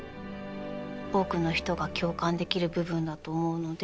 多くの人が共感できる部分だと思うので。